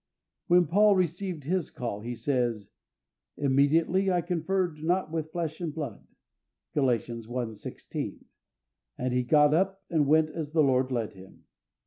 When Paul received his call, he says, "Immediately I conferred not with flesh and blood" (Gal. i. 16), and he got up and went as the Lord led him.